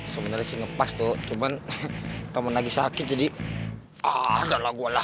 sebenarnya sih ngepas tuh cuman kamu lagi sakit jadi ah janganlah gue lah